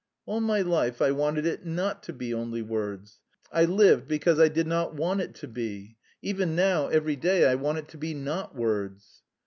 "All my life I wanted it not to be only words. I lived because I did not want it to be. Even now every day I want it to be not words."